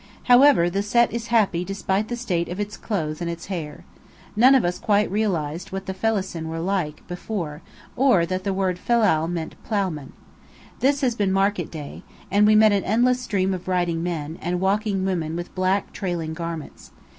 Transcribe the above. However, the Set is happy despite the state of its clothes and its hair. None of us quite realized what the Fallahcen were really like before, or that the word Fellal meant "ploughman." This has been market day, and we met an endless stream of riding men, and walking women with black trailing garments.